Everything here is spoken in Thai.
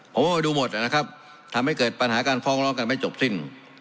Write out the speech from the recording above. ผมว่าดูหมดนะครับทำให้เกิดปัญหาการฟ้องร้องกันไม่จบสิ้น